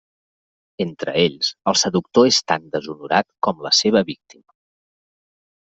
Entre ells, el seductor és tan deshonorat com la seva víctima.